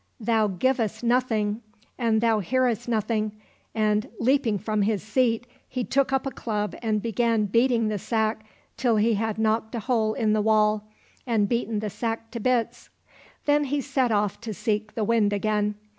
Thou givest nothing, and thou hearest nothing "— and, leaping from his seat, he took up a club and began beating the sack till he had knocked a hole in the wall, and beaten the sack to bits. Then he set off to seek the Wind again.